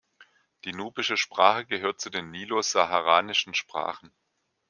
Die Nubische Sprache gehört zu den nilo-saharanischen Sprachen.